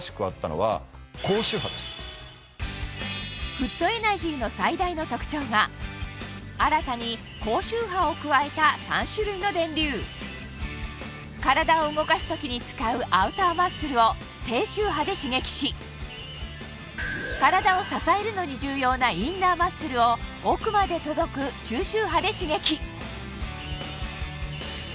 フットエナジーの最大の特徴は新たに高周波を加えた３種類の電流体を動かす時に使うアウターマッスルを低周波で刺激し体を支えるのに重要なインナーマッスルを奥まで届く中周波で刺激